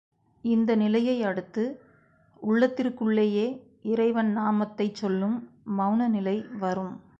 இந்த நிலையை அடுத்து உள்ளத்திற்குள்ளேயே இறைவன் நாமத்தைச் சொல்லும் மெளன நிலை வரும்.